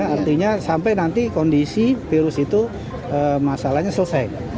artinya sampai nanti kondisi virus itu masalahnya selesai